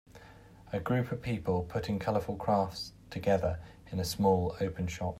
A group of people putting colorful crafts together in a small, open shop.